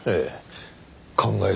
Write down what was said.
ええ。